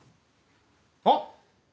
あっ！